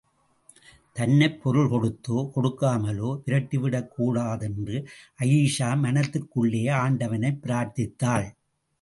தன்னைப் பொருள் கொடுத்தோ, கொடுக்காமலோ விரட்டிவிடக்கூடாதென்று அயீஷா மனதிற்குள்ளேயே ஆண்டவனைப் பிரார்த்தித்தாள்.